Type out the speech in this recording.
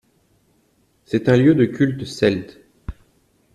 C'est un lieu de culte celte.